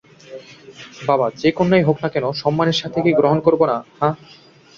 বাবা - যে কন্যাই হোক না কেন সম্মানের সাথে কি গ্রহণ করবো না, হাহ?